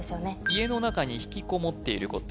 家の中にひきこもっていること